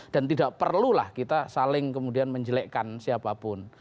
dan tidak perlulah kita saling kemudian menjelekkan siapapun